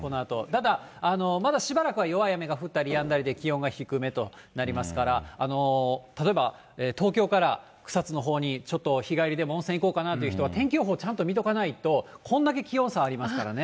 ただ、まだしばらくは弱い雨が降ったりやんだりで、気温は低めとなりますから、例えば東京から草津のほうにちょっと日帰りでも温泉行こうかなという人は、天気予報をちゃんと見とかないと、こんだけ気温差ありますからね。